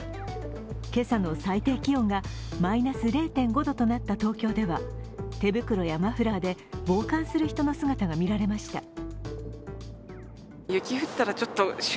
今朝の最低気温がマイナス０．５度となった東京では手袋やマフラーで防寒する人の姿が見られました。